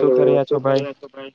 Hello શું કરી રહ્યાં છે ભાઈ,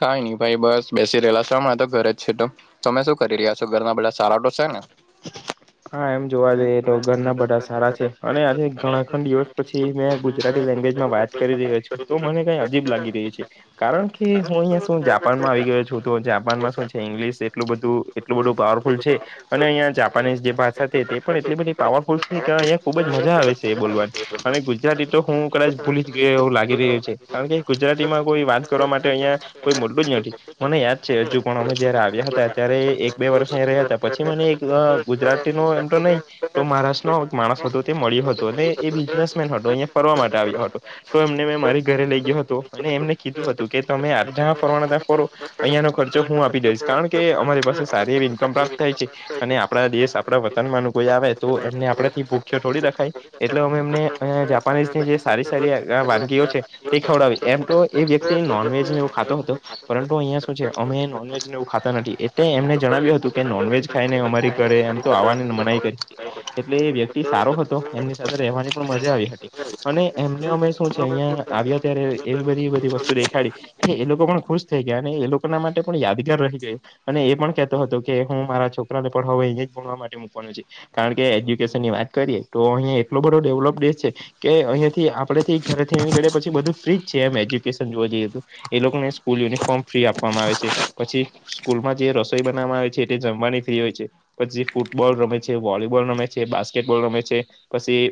કઈ નહી બસ બેસી રહેેલા શે તો ઘરે જ છે તો તમે શું કરી રહ્યા છો ઘરમાં બધા સારાતો છે ને [inaudible] હા એમ જોવા જઈએ તો ઘરના બધા સારા છે અને આજે ઘણા દિવસ પછી મેં ગુજરાતી લેંગ્વેજમાં વાત કરી છે તો મને કઈ અજીબ લાગી રહી છે કારણ કે હું અહીં શું જાપાનમાં આવી ગયો છું તો જાપાનમાં ઈંગ્લીસ એટલું બધું એટલું બધું પાવરફુલ છે અને અહીં જાપાનીઝ જે ભાષા છે તે પણ એટલી બધી પાવરફુલ છે કે અહીંયા ખૂબ જ મજા આવે છે એ બોલવાની અને ગુજરાતી તો હું કદાચ ભૂલી જ ગયો એવું લાગે છે કારણ કે ગુજરાતીમાં કોઈ વાત કરવા માટે અહિયાં કોઈ [unintelligible] જ નથી મને યાદ છે હજુ પણ જયારે આવ્યા હતા ત્યારે એક બે વર્ષ રહ્યા હતા પછી મને એક ગુજરાતી નો એમ તો નહીં તો મહારાષ્ટ્ર નો માણસ હતો તે મળ્યો હતો અને એ બિઝનેસમેન હતો અહીંયા ફરવા માટે આવ્યો હતો તો એમને મારી ઘરે લઈ ગયો હતો અને એમને કીધું હતું કે તમે જ્યાં ફરવાના ફરો અહીયાં નો ખર્ચો હું આપી દહીસ કારણ કે અમારી પાસે સારી એવી ઇન્કમ પ્રાપ્ત થાય છે અને આપણા દેશ આપણા વતનમાંનુ કોઈ આવે તો એમને આપડા થી ભૂખ્યો થોડી રખાય એટલે અમે એમને અને જાપાનીઝ ની જે સારી સારી વાનગીઓ છે તે ખવડાવી એમ તો એ વ્યક્તિ નોન વજને એવો ખાતો હતો પરંતુ અહિયાં શું છે અમે નોનવેજને એવું ખાતા નથી એટલે એમને જણાવ્યું હતું કે નોનવેજ ખાઈને અમારી કરે એમ તો આવાની મનાઈ કરી એટલે એ વ્યક્તિ સારો હતો એમની સાથે રહેવાની પણ મજા આવી હતી અને એ અમે શું છે અહિયાં આવ્યા ત્યારે એવી બધી બધી વસ્તુ દેખાડી એ એ લોકો પણ ખુશ થઈ ગયા અને એ લોકોના માટે પણ યાદગાર રહી ગયા અને એ પણ કેતો હતો કે હું મારા છોકરાને હવે અહીયા જ ભણવા માટે મૂકવાનું છે કારણ કે એજ્યુકેશનની વાત કરીએ તો અહંયા એટલો બધો ડેવલપ દેશ છે કે અહીંયાથી આપડે થી ઘરે થી નીકળીએ પછી બધું ફ્રીજ છે એમ એજ્યુકેશન જોવા જઈએ હતું એ લોકોને સ્કૂલ યુનિફોર્મ ફ્રી આપવામાં આવે છે પછી સ્કૂલમાં જે રસોઈ બનાવામાં આવે છે એ જમવાની ફ્રી હોય છે પછી ફૂટબોલ રમે છે વોલીબોલ રમે છે બાસ્કેટબોલ રમે છે પછી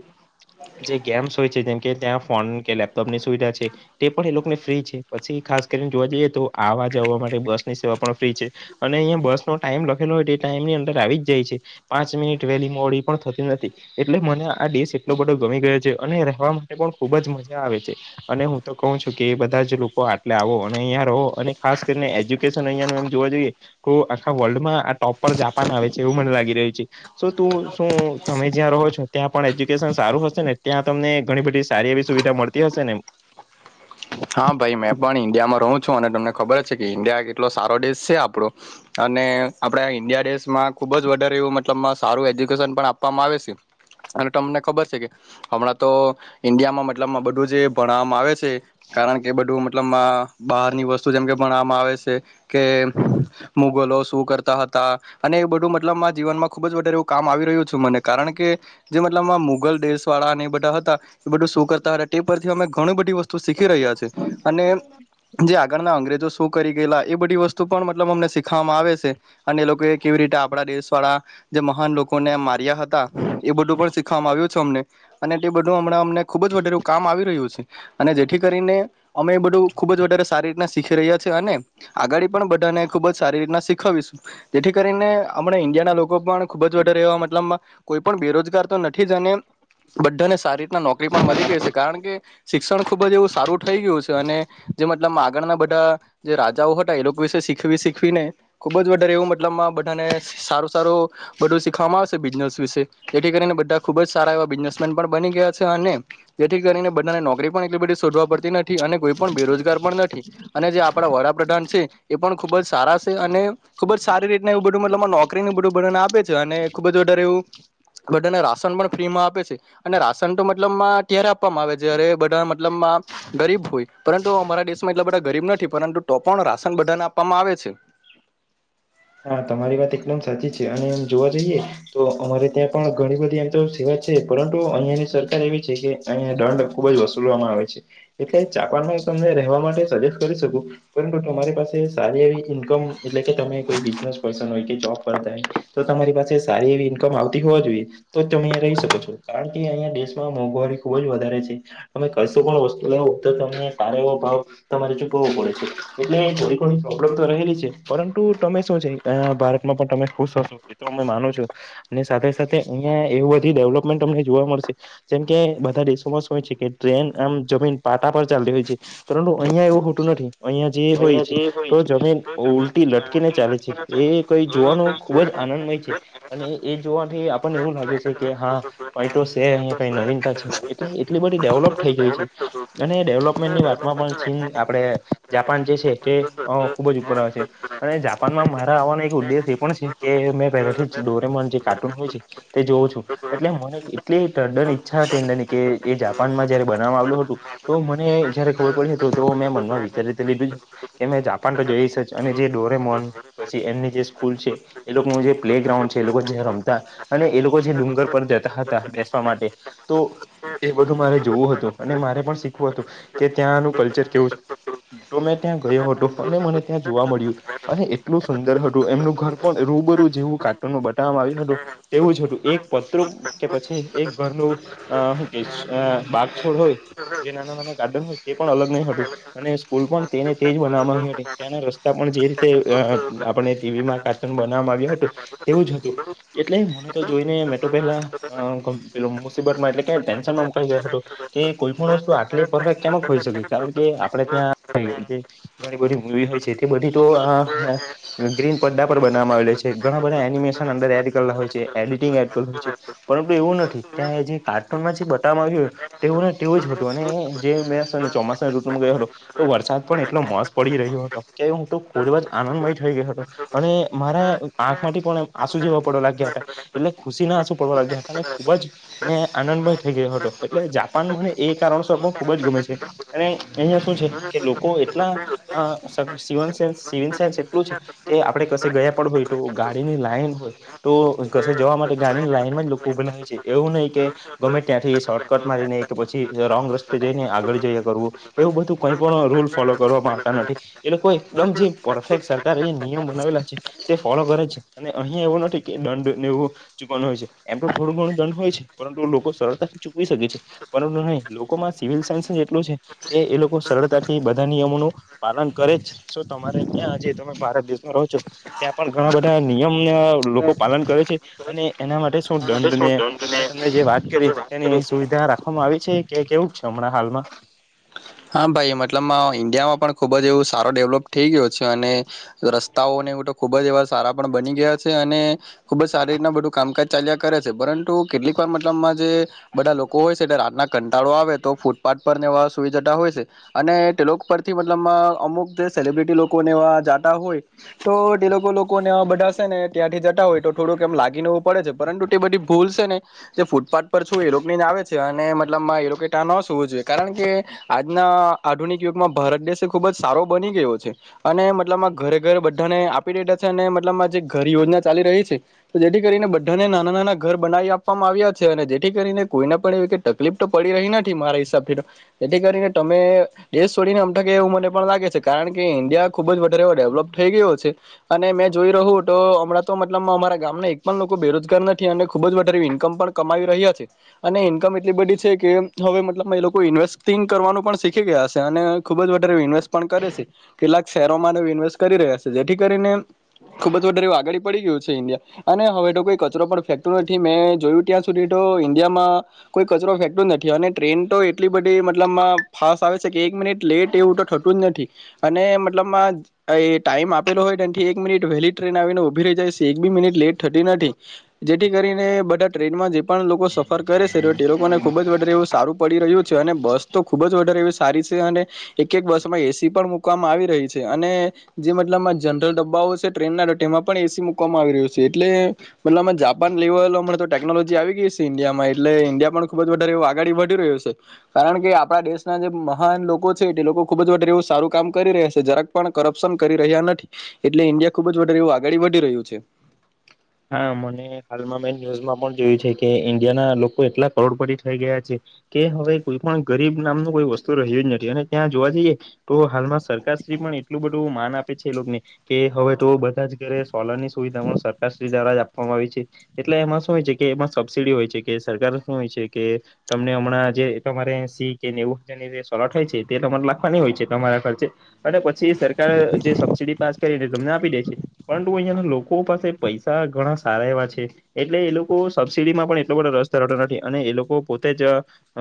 જે ગેમ્સ હોય છે જેમ કે ત્યાં ફોન કે લેપટોપની સુવિધા છે તે પણ એ લોકોને ફ્રી છે પછી ખાસ કરીને જોવા જઈએ તો આવા જવા માટે બસ ની સેવા પણ ફ્રી છે અને અહીંયા બસ નો ટાઈમ લખેલો હોય ટાઈમની અંદર આવી જાય છે પાંચ મિનિટ વહેલી મોડી પણ થતી નથી એટલે મને આ દેશ એટલો બધો ગમી ગયો છે અનેવા માટે પણ ખુબ જ મજા આવે છે અને હું તો કહું છું કે એ બધા જ લોકો આટલે આવો અને રહો અને ખાસ કરીને એજ્યુકેશન અ એમ જોઈએ તો આખા વર્લ્ડમાં આ ટોપ પર આવે છે એવું મને લાગી રહ્યું છે તો તું શું તમે જ્યાં રહો છો ત્યાં પણ એજ્યુકેશન સારું હશે ને ત્યાં તમને ઘણી બધી સારી એવી સુવિધા મળતી હશે ને હા ભાઈ મેં પણ ઈન્ડિયામાં રહું છું અને તમને ખબર છે કે ઈન્ડિયા કેટલો સારો દેશ છે આપણો અને આપણા ઈન્ડિયા દેશમાં ખૂબ જ વધારે એવું મતલબ સારું એજ્યુકેશન પણ આપવામાં આવે છે અને તમને ખબર છે કે હમણાં તો ઈન્ડિયામાં મતલબ બધું જે ભણવામાં આવે છે કારણ કે બધું મતલબ બહારની વસ્તુ જેમ કે ભણવામાં આવે છે કે મુગલ શું કરતા હતા અને એ બધું મતલબ જીવનમાં ખુબ વધારે એવું કામ આવી રહ્યું છું મને કારણ કે જે મતલબમાં મુગલ દેશ વાળા એ બધા હતા એ બધું શું કરતા હતા તે પરથી અમે ઘણું બધી વસ્તુ શીખી રહ્યા છે અને જે આગળના અંગ્રેજો શું કરી ગયેલા એ બધી વસ્તુ પણ મતલબ અમને શીખવામાં આવે છે અને એ લોકો કેવી રીતે આપણા દેશ વાળા જે મહાન લોકોને માર્યા હતા એ બધું પણ શીખવામાં આવ્યું છે અમને અને તે બધું અ અમને ખુબ જ વધારે કામ આવી રહ્યું છે અને જેથી કરીને અમે બધું ખુબ જ વધારે સારી રીતના શીખી રહ્યા અને આગળ પણ બધાને ખુબ જ સારી રીતના શીખવીશ જેથી કરીને અમણા ઈન્ડિયાના લોકો પણ ખુબ જ વધારે એવા મતલબ કોઈ પણ બેરોજગાર તો નથી જ અને બધાને સારી રીતના નોકરી પણ મળી ગઈ છે કારણ કે શિક્ષણ ખુબ જ એવું સારું થઈ ગયું છે અને જે મતલબ આગળના બધા જે રાજાઓ હતા એ લોકો વિશે શીખવી શીખવીને ખૂબ જ વધારે એવું મતલબમાં બધાને સારું સારું બધું શીખવામાં આવશે બિઝનસ વિશે જેથી કરીને બધા ખુબ જ સારા એવા બિઝનેસમેન પણ બની ગયા છે અને જેથી કરીને બધાને નોકરી પણ એટલી બધી શોધવા પડતી નથી અને કોઈ પણ બેરોજગાર પણ નથી અને જે આપણા વડાપ્રધાન છે એ પણ ખૂબ જ સારા સે અને ખુબ જ સારી રીતના એવું બધું મતલબમાં નોકરીને બધું બધાને આપે છે અને ખુબ જ વધારે એવું બધાને રાશન પણ ફ્રી માં આપે છે અને રાશન તો મતલબમાં ક્યારે આપવામાં આવે જ્યારે બ ધા મતલબમાં ગરીબ હોય પરંતુ અમારા દેશમાં એટલા બધા ગરીબ નથી પરંતુ તો પણ રાશન બધાને આપવામાં આવે છે. [inaudible] હા તમારી વાત એકદમ સાચી છે અને એમ જોવા જઈએ તો અમારે ત્યાં પણ ઘણી બધી આમ તો સેવા પરંતુ અહિયાંની સરકાર એવી છે કે અહિયા દંડ ખૂબ જ વસુલવામાં આવે છે એટલે જાપાનમાં તમને રહેવા માટે સજેસ કરી શકું પરંતુ તમારી પાસે સારી એવી ઈન્કમ એટલે કે તમે કોઈ બી જાજ પર્સન હોય કે જોબ કરતા હોય તો તમારી પાસે સારી એવી ઈન્કમ આવતી હોવા જોઈએ તો તમે રહી શકો છો કારણ કે અહીંયા દેશમાં મોંઘવારી ખુબ જ વધારે છે તમે કશો પણ વસ્તુ લવ તો તમને સારો એવો ભાવ તમારે ચૂકવવો પડે છે એટલે થોડી ઘણી પ્રોબ્લમ તો રહેલી છે પરંતુ તમે છું છે ભારતમાં પણ તમે ખુશ હશો મિત્રો મેં માનું છું સાથે સાથે અહિયા એવું બધી ડેવલોપમેન્ટ જોવા મળશે જેમ કે બધા દેશોમાં શું હોય છે કે ટ્રેન આમ જમીન પાટા પર ચાલતી હોય છે પરંતું અહિયાં એવું હોટું નથી અહિયાં જે હોય છે તો જમે ઉલટી લટકી ને ચાલે છે એ કોઈ જોવાનો ખુબ જ આનંદમય છે અને એ જોવાથી આપણને એવું લાગે છે કે હા કઈ તો છે કઈ નવીનતા છે એટલે એટલી બધી ડેવલપ થઈ ગઈ છે અને એ ડેવલપમેન્ટની વાતમાં પણ ચીન આપણે જાપાન જે છે તે ખુબ જ ઉપર આવે છે અને જાપાન માં મારા આવવાનો એક ઉદેશ એ પણ છે કે મેં પે જ ડોરેમોન જે કાર્ટૂન હોય છે તે જોઉં છું. એટલે મને એટલી તદન ઈચ્છા હતી ની કે એ જાપાન માં જયારે બનાવવા આવલું હતું તો મને જયારે ખબર પડી હતી તો મેં મનમાં વિચારી તો લીધું જ કે મેં જાપાન તો જઈશ અને જે ડોરેમોન પછી એમની જે સ્કૂલ છે એ લોકોનું જે પ્લે ગ્રાઉન્ડ છે એ લોકો જ્યા રમતા અને એ લોકો જે ડુંગર પર જતા હતા બેસવા માટે તો એ બધું મારે જોવું હતું અને મારે પણ શીખવું હતું. કે ત્યાંનું કલ્ચર કેવું છે તો મેં ત્યાં ગયો હતો અને મને ત્યાં જોવા મળ્યું અને એટલું સુંદર હતું એમનું ઘર પણ રૂબરૂ જેવું કાર્ટુન માં બતાવવામાં આવ્યું હતું તેવું જ હતું એક પતરુ કે પછી એક ઘર નું હું કે છે બાગ છોડ હોય જે નાના નાના ગાર્ડન તે પણ અલગ નહી હતું અને સ્કૂલ પણ તેને તેજ બનાવામાં આવી હતી ત્યાંના રસ્તા પણ જે રીતે આપણને ટીવીમાં કાર્ટુન બનાવવામાં આવ્યું હતું તેવું જ હતું એટલે મને તો જોઈ ને મેં તો પેલા [unintelligible] મુસીબત માં એટલે ટેન્શનમાં મુકાઈ ગયો હતો કે કોઈ પણ વસ્તુ આટલી પરફેક્ટ કેમક હોઈ શકે કારણ કે આપડે ત્યાં ઘણી બધી મુવી હોય છે તે બધી તો ગ્રીન પડદા પર બનાવામાં આવેલ હોય છે ઘણા બધા એનિમેશન અંદર એડ કરેલા હોય છે એડિટિંગ એડ કરેલ હોય છે. પરંતુ એવું નથી ત્યાં જે કાર્ટૂનમાં જે બતાવામાં આવ્યું તેવું ને તેવું જ હતું અને જે મે ચોમાસના ૠતુ માં ગયો હતો તો વરસાદ પણ એટલો મસ્ત પડી રહ્યો હતો કે હું તો ખૂબ જ આનંદમય થઈ ગયો હતો અને મારા આંખ માંથી પણ આસુ જેવા પડવા લાગ્યા હતા એટલે ખુશી ના આસુ પડવા લાગ્યા હતાને ખુબ જ મેં આનંદમય થઈ ગયો હતો એટલે જાપાન મને એ કારણસર પણ ખુબ જ ગમે છે. અને અહિયાં શું છે કે લોકો એટલા અ [unintelligible] એટલું છે કે આપણે કશે ગયા પણ હોય તો ગાડીની લાઈન હોય તો કશે જવા માટે ગાડીની લાઈન [unintelligible] લોકો ઉભા હોય છે એવું નહીં કે ગમે ત્યાંથી શોર્ટકટ મારીને કે પછી રોંગ રસ્તે જઈને આગળ જ્યા કરવું એવુ બધું કઈ પણ રૂલ ફોલો કરવામાં આવતા નથી એ લોકો એકદમ જે પરફેક્ટ સરકારે નિયમ બનાવેલા છે તે ફોલો કરે છે અને અહિયાં એવું નથી કે દંડ ને એવું ચૂકવાનું હોય છે. એમ તો થોડું ઘણું દંડ હોય છે પરંતુ લોકો સરળતાથી ચૂકવી શકે છે પરંતુ નહીં લોકોમાં સિવિલ સેન્સ જ કે એ લોકો સરળતાથી બધા નિયમોનું પાલન કરે જ છે સો તમારે ક્યાં આજે ભારત દેશમાં રહો છો ત્યાં પણ ઘણા બધા નિયમ લોકો પાલન કરે છે અને એના માટે દંડ ને મેં તમને જે વાત કરી તેની સુવિધા રાખવામાં આવી છે કે કેવું છે હમણાં હાલમાં હા ભાઈ મતલબમાં ઇન્ડિયામાં પણ ખુબ જ એવું સારો ડેવલોપ થઈ ગયો છે અને રસ્તાઓને એવું તો ખુબ જ એવા સારા પણ બની ગયા છે અને ખુબ જ સારી રીતના બધું કામકાજ ચાલ્યા કરે છે પરંતુ કેટલીક વાર મતલબમાં જે બધા લોકો હોય છે એટલે રાતના કંટાળો આવે તો ફૂટપાથ પર એવા સુવિ જટા હોય છે. અને તેલોક પરથી માં અમુક જે સેલિબ્રિટી લોકોને એવા જાતા હોય તો તે લોકો લોકોનેવા બધાશે ને. ત્યાંથી જતા હોય તો થોડુંકમ લાગીનેવું પડે પરંતુ તે બધ ભૂલ છે ને જે ફૂટપાથ પર છું એ લોક ની આ આવે છે અને મતલબમાં એ લોકો એ ત્યાં ન સૂવું જોઈએ કારણ કે આજના આધુનિક યુગમાં ભારત દેશ ખુબ જ સારો બની ગયો છે અને મતલબ આ ઘરે ઘર બધાને આપી દેધા છે અને મતલબમાં જે ઘર યોજના ચાલી એટલી રહી છે જેથી કરીને બાને નાના નાના ઘર બનાવી આપવામાં આવ્યા છે અને જેથી કરીને કોઈને પન એ તકલીફ તો પડી રહી નથી મારા હિસાબથી તો જેથી કરીને તમે દેશ છોડીને અમઠાકે એવું મને પણ લાગે છે કારણ કે ઇન્ડિયા ખુબ જ વધારે ડેવલોપ થઈ અને મેં જોઈ રહ્યું તો હમણાં તો મતલબ અમારા ગામના એક પણ લોકો બેરોજગાર નથી અને ખૂબ જ વધરો ઇન્કમ પણ કમાવી રહ્યા છે અને ઇન્કમ એટલી બધી છે કે હવે મતલબ એ લોકો ઇન્વેસ્ટ ટીન કરવાનું પણ શીખી ગયા હશે અને ખુબ જ વધારે ઇન્વેસ્ટ પણ કરે છે કેટલાક શેરોમાં ઇન્વેસ્ટ કરી જેથી કરીને ખુબ જ વધારે આગડી પડી ગયું છે ઇન્ડિયા અને હવે તો કોઈ કચરો પણ ફેકતું નથી મેં જોયું ત્યાં સુધી તો ઇન્ડિયામાં કોઈ કચરો ફેક નથી અને ટ્રેન તો એટલી બધી તે મતલબ માં આવે છે કે એક મિનિટ લેટ એવું તો થતું જ નથી અને મતલબ માં એ તે ટાઈમ આપેલો હોય તેથી એક મિનટ વહેલી ટ્રેન આવી ને ઉભી રહી જાય છે એક બી મિનિટ લેટ થતી નથી જેથી કરીને બધા ટ્રેનમાં પણ લોકો સફર કરે છે તો તે લોકોને ખૂબ જ વધારે એવું સારું પડી રહ્યું. છે અને બસ તો ખુબ જ વારે એવી સારી છે અને એક એક બસ માં એસી પણ મુૂકવામાં આવી રહી છે અને જે મતલબમાં જનરલ ડબ્બાઓ છે ટ્રેન ના એમાં પણ એસી મુકવામાં આવી રહ્યો છે એટલે મતલબ માં જા પાન જેવો તો ટેનોલોજી આવી ગઈ છે ઇન્ડિયામાં એટલે ઇન્ડિયા પણ ખૂબ જ વધારે આગાડી વધી રહ્યો છે. કારણ કે આપડા દેશના જે મહાન લોકો છે તે લોકો ખુબ જ વ એવ સારું કામ કરી રહ્યા છે જરાક પણ કરપ્શન કરી રહ્યા નથી એટલે ઇન્ડિયા ખુબ જારે એવું આગળ વધી રહ્યું છે. [inaudible] હા મને હાલમાં મેં ન્યૂઝમાં પણ જોયું છે કે ઈન્ડિયા ના લોકો એટલા કરોડપટી થઈ ગયા છે. કે હવે કોઈ પણ ગરીબ નામનું કોઈ વસ્તુ રહ્યું જ નથી અને ત્યાં જોવા જઈએ તો હાલમાં સરકાર પણ એટલું બધું માન આપે છે એને કે હવે તો બધા જ ઘરે સોલર ની સુવિધા પણ દ્વા આપવામાં આવી છે એટલે એમાં શું હોય છે કે એમાં સબસડી હોય છે કે સરકાર શું હોય છે કે ને હમણાં જે તમારે સી કે નેવું હજની જે સોય છે તે તમારે લખવાની હોય છે તમારા ખર્ચે અને પછી સરકારે જે સબસિડી પાસ કરીને તમને આપી દે છે પરંતુ અહિયાં લોકો પાસે પૈસા ઘણા સારા એવા છે એટલે એ લોકો સબસીડી માં પણ એટલો બધો રસ ધરાતો નથી અને એ લોકો પોત તેજ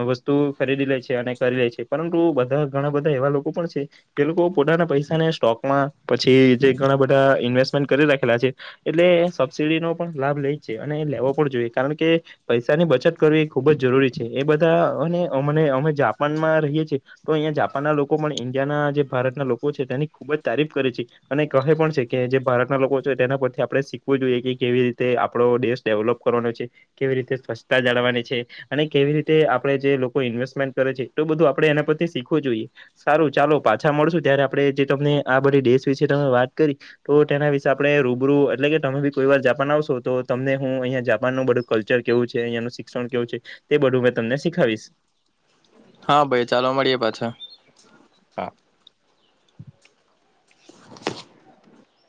વસ્તુ ખરીદી લે છે અને કરી લે છે પરંતુ બધા ઘણા બધા એવા લોકો પણ છે. એ લોકો પોતાના પૈસાને સ્ટોકમાં પછી જે ઘણા બધા ઇન્વેસ્ટમેન્ટ કરી રાખેલા છે. એટલે સબસિડીનોો પણ લાભ લે છે અને લેવો પણ જોઈએ કારણ કે પૈસાની બચત કરવી એ ખુબ જ જરૂરી છે એ બધા અને અમને અમે જાપાનમાં રહીએ છીએ તો અહીંયા જાપાનના લોકો પણ ઇન્ડિયાના જે ભારતના લોકો છે તેની ખુબ જ તારીફ કરે છે અને કહે પણ છે કે જે ભારતના લોકો છે તેના પ આપણે શીખવું જોઈએ કે કેવી રીતે આપડો દેશ ડેવલોપ કરવાનો છે કેવી રીતે સ્વચ્છતા જાળવાની છે. અને કેવી રીતે આપડે જે લોકો ઇન્વેસ્ટમેન્ટ કરે છે એટલું બધું આપે એના પરથી શીખવું જોઈએ સારું ચાલો. પાછા મળશું ત્યારે આપણે જે તમને આ બધી ડેેશ વિસે તમે વાત કરી તો તેના વિશે આપણે રો તો એટલે કે તમે બી કોઈ વાર જાપાન આવશો તો તમને હું અહીંયા જાપાનનું બધું કલ્ચર કેવું છે અહીંયાનું શિક્ષણ કેવું તે બધું મે તમને શીખાવીશ. હા ભાઈ ચાલો મળીએ પાછા. હા.